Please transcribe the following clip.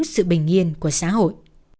sự bình yên của xã hội